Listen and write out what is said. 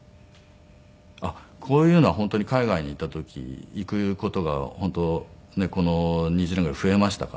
こういうのは本当に海外にいた時行く事が本当この２０年ぐらい増えましたから。